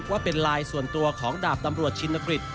ว่าเป็นไลน์ส่วนตัวของดาบตำรวจชินกฤษ